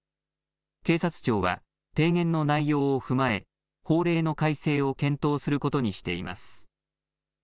警察庁は提言の内容を踏まえ法令の改正を検討することにしています。